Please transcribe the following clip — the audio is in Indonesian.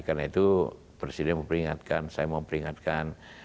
karena itu presiden mau peringatkan saya mau peringatkan